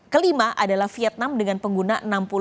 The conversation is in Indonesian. kelima adalah vietnam dengan pengguna